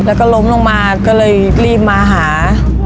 แล้วก็ล้มลงมาก็เลยรีบมาหา